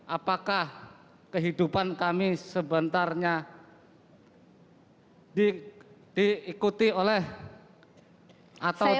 apakah kehidupan kami sebenarnya diikuti oleh atau tidak